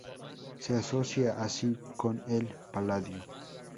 Se asocia así con el Paladio.